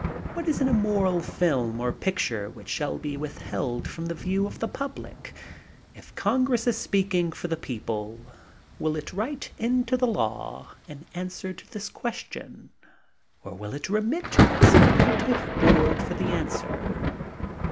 What is an immoral film or picture which shall be withheld from the view of the public? If G>ngress is speaking for the people, will it write into the law an answer to this question, or will it remit us to an appointive board for the answer?